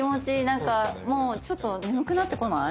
なんかもうちょっと眠くなってこない？